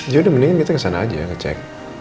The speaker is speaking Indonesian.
jadi udah mendingan kita kesana aja ngecek